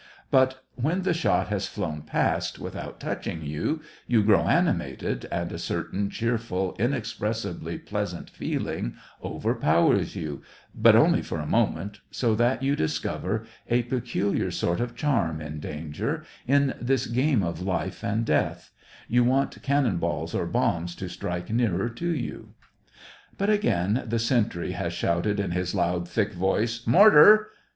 But when the shot has flown past without touching you, you grow animated, and a certain cheerful, inexpressibly pleasant feeling SEVASTOPOL IN DECEMBER. 31 overpowers you, but only for a moment, so that you discover a peculiar sort of charm in danger, in this game of life and death, you want cannon balls or bombs to strike nearer to you. But again the sentry has shouted in his loud, thick voice, " Mortar